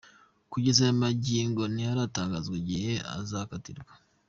Kugeza aya magingo, ntiharatangazwa igihe azakatirwa.